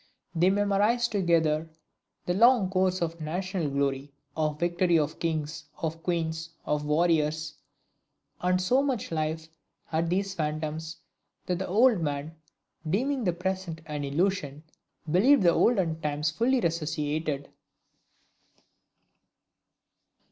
They memorized together the long course of national glory, of victory, of kings, of queens, of warriors; and so much life had these phantoms, that the old man, deeming the present an illusion, believed the olden times fully resuscitated.